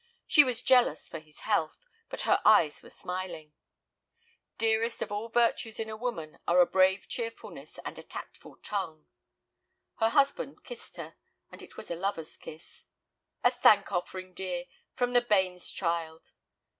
She was jealous for his health, but her eyes were smiling. Dearest of all virtues in a woman are a brave cheerfulness and a tactful tongue. Her husband kissed her, and it was a lover's kiss. "A thank offering, dear, from the Bains child."